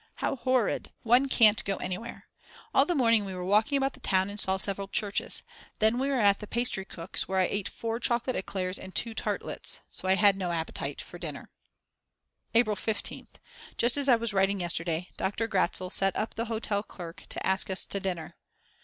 How horrid. One can't go anywhere. All the morning we were walking about the town and saw several churches. Then we were at the pastrycook's, where I ate 4 chocolate eclairs and 2 tartlets. So I had no appetite for dinner. April 15th. Just as I was writing yesterday Dr. Gratzl sent up the hotel clerk to ask us to dinner.